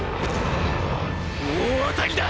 大当たりだ！！